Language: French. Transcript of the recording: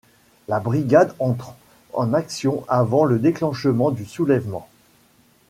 La Brigade entre en action avant le déclenchement du soulèvement.